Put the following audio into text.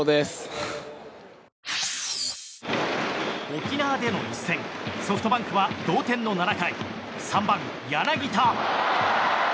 沖縄での一戦ソフトバンクは同点の７回３番、柳田。